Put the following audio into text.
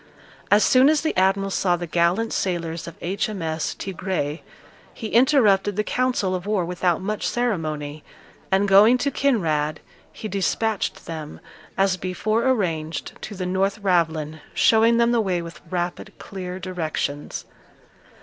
As soon as the admiral saw the gallant sailors of H.M.S. Tigre, he interrupted the council of war without much ceremony, and going to Kinraid, he despatched them, as before arranged, to the North Ravelin, showing them the way with rapid, clear directions.